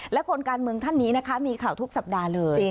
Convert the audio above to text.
และคนการเมืองท่านนี้นะคะมีข่าวทุกสัปดาห์เลย